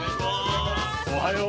おはよう。